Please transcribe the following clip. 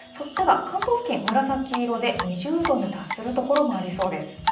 ただ、関東付近、紫色で２０度に達する所もありそうです。